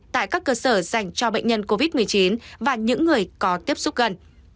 tại các cơ sở dành cho bệnh nhân covid một mươi chín và những người có tiếp xúc gần